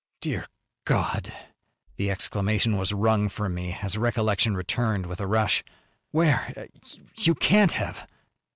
"Dear God!" The exclamation was wrung from me as recollection returned with a rush. "Where? You can't have!"